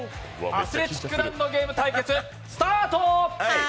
「アスレチックランドゲーム」対決スタート！